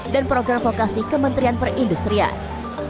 dan program vokasi kementerian perindustrian